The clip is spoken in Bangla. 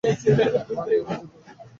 মা, কী হয়েছে তোর?